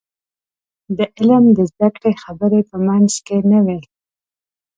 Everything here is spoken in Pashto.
د علم د زده کړې خبرې په منځ کې نه وي.